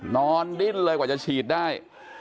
นอนดิ้นเลยกว่าจะฉีดได้